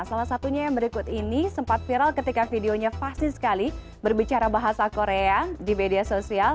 salah satunya yang berikut ini sempat viral ketika videonya fasis sekali berbicara bahasa korea di media sosial